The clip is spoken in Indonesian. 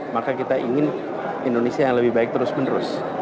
maka kita ingin indonesia yang lebih baik terus menerus